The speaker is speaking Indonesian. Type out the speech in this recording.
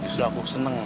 justru aku seneng